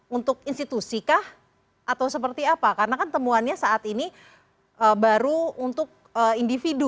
seluruh untuk institusikah atau seperti apa karena kan temuannya saat ini baru untuk individu